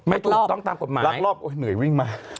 รักรอบต้องตามกฎหมายรักรอบเหนื่อยวิ่งมา